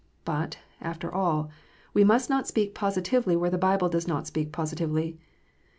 But, after all, we must not speak positively where the Bible does not speak positively.